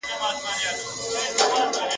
د چلم سر، د پلو پاى.